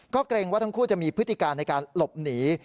ก็เกรงว่าทั้งคู่จะมีพฤติการในการหลบหนี